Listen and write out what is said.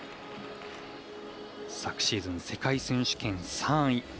昨シーズン、世界選手権３位。